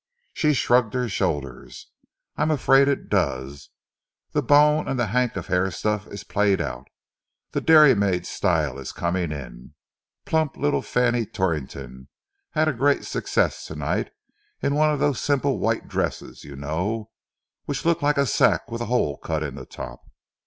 She shrugged her shoulders. "I am afraid it does. The bone and the hank of hair stuff is played out. The dairy maid style is coming in. Plump little Fanny Torrington had a great success to night, in one of those simple white dresses, you know, which look like a sack with a hole cut in the top.